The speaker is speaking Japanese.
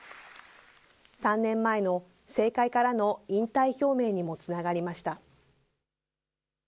３年前の政界からの引退表明にもつながりました。